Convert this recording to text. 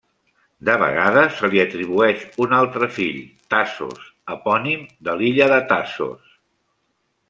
De vegades se li atribueix un altre fill, Tasos, epònim de l'illa de Tassos.